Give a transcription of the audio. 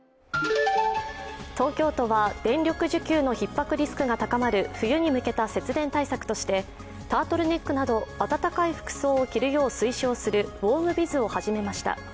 東京都は電力需給のひっ迫リスクが高まる冬に向けた節電対策としてタートルネックなど暖かい服装を着るよう推奨するウォームビズを始めました。